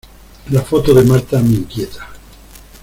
La foto de Marta me inquieta.